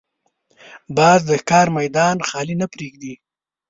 باز د ښکار میدان خالي نه پرېږدي